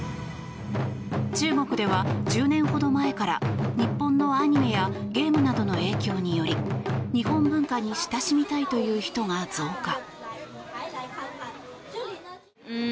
中国では１０年ほど前から日本のアニメやゲームなどの影響により日本文化に親しみたいという人が増加。